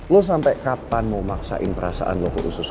lo sampe kapan mau maksain perasaan lo ke usus gue regi